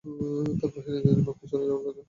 তার বাহিনীর এতদিন মক্কায় চলে যাওয়ার কথা।